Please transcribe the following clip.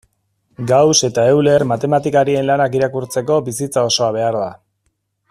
Gauss eta Euler matematikarien lanak irakurtzeko bizitza osoa behar da.